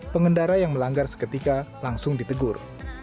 pengendara yang melanggar seketika langsung ditegur